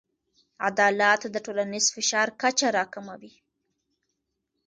عدالت د ټولنیز فشار کچه راکموي.